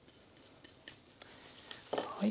はい。